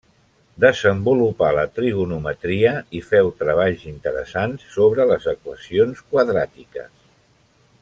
Desenvolupà la trigonometria i féu treballs interessants sobre les equacions quadràtiques.